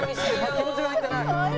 気持ちが入ってない。